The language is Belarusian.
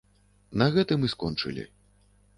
На гэтым і скончылі.